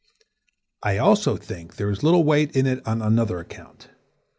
I also think there is little weight in it on another account.